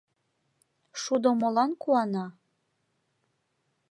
Шудо молан куана?